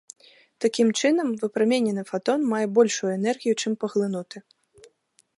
Такім чынам, выпраменены фатон мае большую энергію, чым паглынуты.